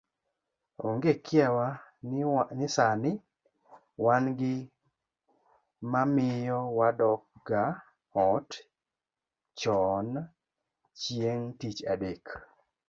Onge kiawa ni sani wan gi mamiyo wadokga ot chon chieng' tich adek